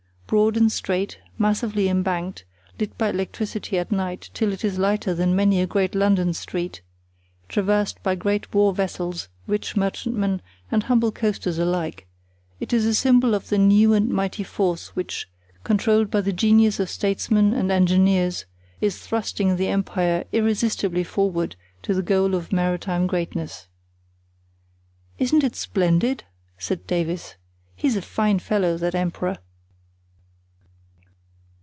Broad and straight, massively embanked, lit by electricity at night till it is lighter than many a great London street; traversed by great war vessels, rich merchantmen, and humble coasters alike, it is a symbol of the new and mighty force which, controlled by the genius of statesmen and engineers, is thrusting the empire irresistibly forward to the goal of maritime greatness. "Isn't it splendid?" said Davies. "He's a fine fellow, that emperor."